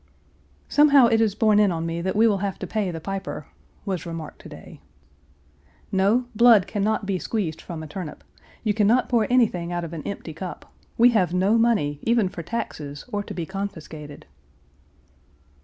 "Somehow it is borne in on me that we will have to pay the piper," was remarked to day. "No; blood can not be squeezed from a turnip. You can not pour anything out of an empty cup. We have no money even for taxes or to be confiscated."